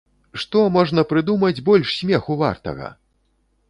Што можна прыдумаць больш смеху вартага?!